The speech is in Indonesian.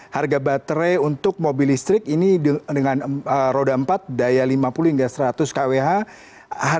harga baterai untuk mobil listrik ini dengan roda empat daya lima puluh hingga seratus kwh